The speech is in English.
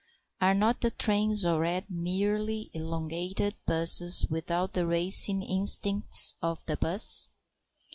Are not the trains already merely elongated buses without the racing instincts of the bus?